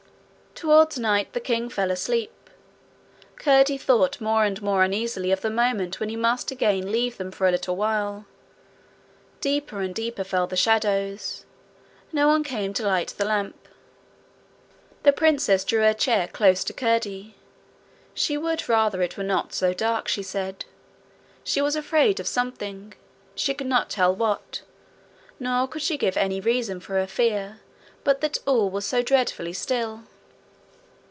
Towards night the king fell asleep. Curdie thought more and more uneasily of the moment when he must again leave them for a little while. Deeper and deeper fell the shadows. No one came to light the lamp. The princess drew her chair close to Curdie: she would rather it were not so dark, she said. She was afraid of something she could not tell what; nor could she give any reason for her fear but that all was so dreadfully still.